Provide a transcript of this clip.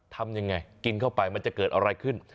ทำยังไงกินเข้าไปมันจะเกิดอะไรขึ้น